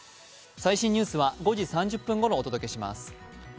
最新ニュースは５時３０分ごろお届けします。